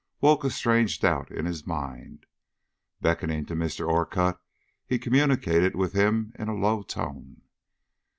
woke a strange doubt in his mind. Beckoning to Mr. Orcutt, he communicated with him in a low tone.